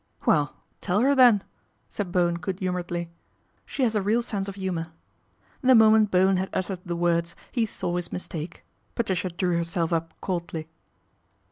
" Well, tell her then," said Bowen good humouredly. " She has a real sense of humour." The moment Bowen had uttered the words he saw his mistake. Patricia drew herself up coldly.